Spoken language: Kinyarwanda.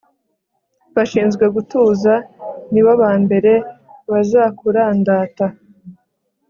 bashinzwe gutuza nibo ba mbere bazakurandata